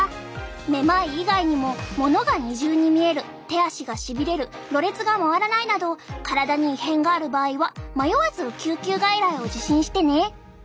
めまい以外にも物が二重に見える手足がしびれるろれつが回らないなど体に異変がある場合は迷わず救急外来を受診してね！